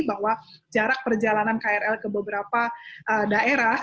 bahwa jarak perjalanan krl ke beberapa daerah